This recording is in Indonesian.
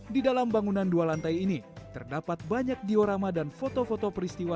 di dalam bangunan dua lantai ini terdapat banyak diorama dan foto foto peristiwa